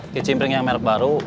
kicimpring yang merek baru